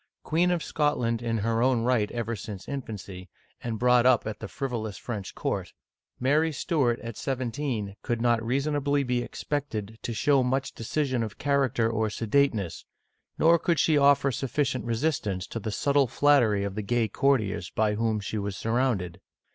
Queen of Scotland in her own right ever since infancy, and brought up at the frivolous French court, Mary Stuart, at seventeen, could not reasonably be expected to show much decision of character or sedateness, nor could she offer sufficient resistance to the subtle flattery of the gay courtiers by whom she was surrounded.